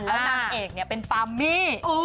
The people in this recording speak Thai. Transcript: แล้วนางเอกเนี่ยเป็นฟามี่